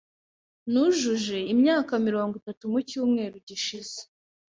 Nujuje imyaka mirongo itatu mu cyumweru gishize.